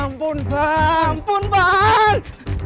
ampun bang ampun bang